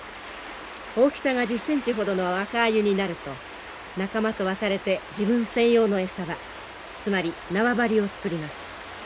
大きさが１０センチほどの若アユになると仲間と別れて自分専用の餌場つまり縄張りを作ります。